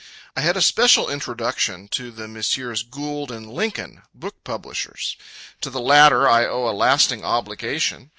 I had a special introduction to the Messrs. Gould and Lincoln, book publishers. To the latter, I owe a lasting obligation.